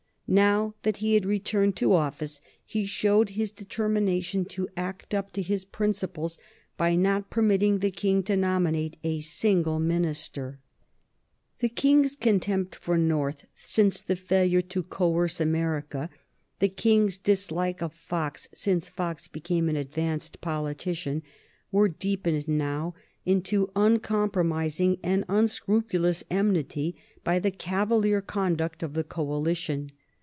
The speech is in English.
Now that he had returned to office, he showed his determination to act up to his principles by not permitting the King to nominate a single minister. [Sidenote: 1783 Fox's coalition with Lord North] The King's contempt for North since the failure to coerce America, the King's dislike of Fox since Fox became an advanced politician, were deepened now into uncompromising and unscrupulous enmity by the cavalier conduct of the coalition.